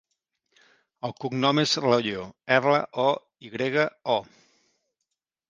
El cognom és Royo: erra, o, i grega, o.